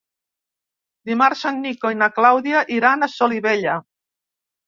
Dimarts en Nico i na Clàudia iran a Solivella.